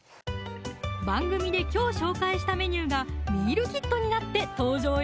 番組で今日紹介したメニューがミールキットになって登場よ